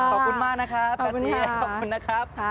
ขอบคุณมากนะครับแปซิ่ขอบคุณนะครับ